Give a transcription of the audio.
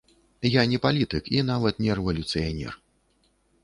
Я не палітык і нават не рэвалюцыянер.